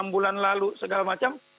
enam bulan lalu segala macam